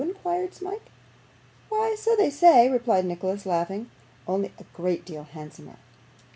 inquired Smike. 'Why, so they say,' replied Nicholas, laughing, 'only a great deal handsomer.